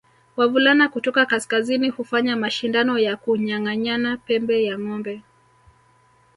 Wavulana kutoka kaskazini hufanya mashindano ya kunyanganyana pembe ya ngombe